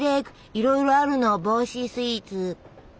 いろいろあるの帽子スイーツ。